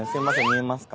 見えますか？